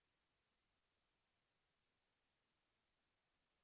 ส่วนข้อมีการหรือเปล่า